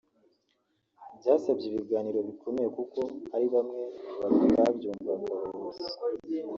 Byasabye ibiganiro bikomeye kuko hari bamwe batabyumvaga (abayobozi)